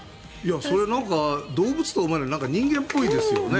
それ動物とか馬というより人間っぽいですよね。